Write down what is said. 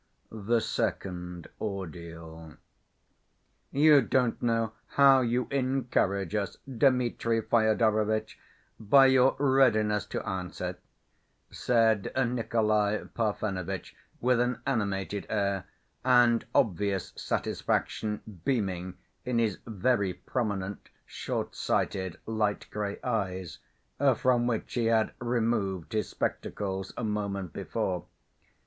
The Second Ordeal "You don't know how you encourage us, Dmitri Fyodorovitch, by your readiness to answer," said Nikolay Parfenovitch, with an animated air, and obvious satisfaction beaming in his very prominent, short‐sighted, light gray eyes, from which he had removed his spectacles a moment before.